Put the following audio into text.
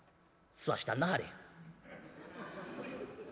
「吸わしたんなはれ。